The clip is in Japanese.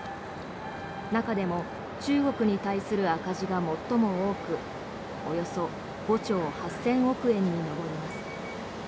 中でも中国に対する赤字が最も多くおよそ５兆８０００億円に上ります。